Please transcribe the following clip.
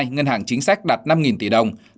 hai ngân hàng chính sách đạt năm tỷ đồng